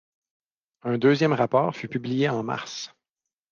Un deuxième rapport fut publié en mars.